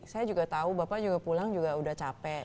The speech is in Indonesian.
saya juga tahu bapak juga pulang juga udah capek